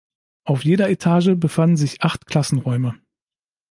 Auf jeder Etage befanden sich acht Klassenräume.